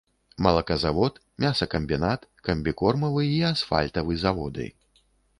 Малаказавод, мясакамбінат, камбікормавы і асфальтавы заводы.